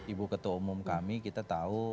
ibu ketua umum kami kita tahu